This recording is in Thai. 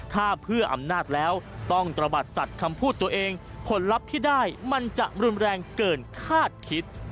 ถ้าเพื่ออำนาจแล้วต้องตระบัดสัตว์คำพูดตัวเองผลลัพธ์ที่ได้มันจะรุนแรงเกินคาดคิด